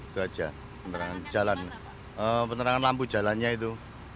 itu aja penerangan lampu jalannya itu